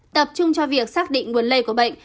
tập trung cho việc xác định nguồn lây của bệnh